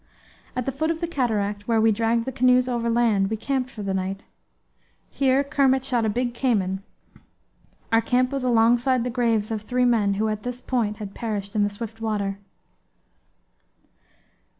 At the foot of the cataract, where we dragged the canoes overland, we camped for the night. Here Kermit shot a big cayman. Our camp was alongside the graves of three men who at this point had perished in the swift water.